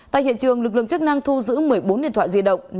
tại hiện trường lực lượng chức năng thu giữ một mươi bốn điện thoại di động